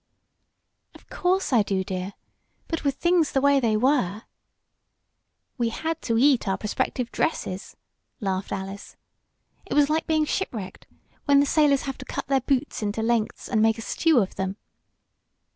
"Of course I do, dear. But with things the way they were " "We had to eat our prospective dresses," laughed Alice. "It was like being shipwrecked, when the sailors have to cut their boots into lengths and make a stew of them."